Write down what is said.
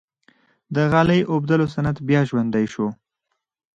د غالۍ اوبدلو صنعت بیا ژوندی شو؟